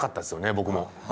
僕も。